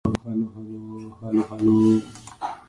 He is commemorated on the Malta Memorial.